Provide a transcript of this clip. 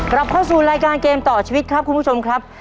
กลับเข้าสู่รายการเกมต่อชีวิตครับคุณผู้ชมครับ